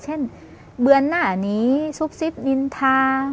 เช่นเบือนหน้านี้ซุบซิบนินทา